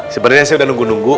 sebenarnya saya udah nunggu nunggu